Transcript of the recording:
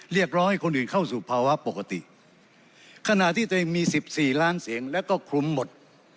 เรียกร้องให้คนอื่นเข้าสู่ภาวะปกติขณะที่ตัวเองมีสิบสี่ล้านเสียงแล้วก็คลุมหมด